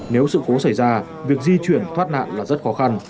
nếu sự cố xảy ra việc di chuyển thoát nạn là rất khó khăn